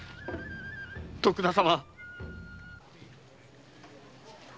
徳田様。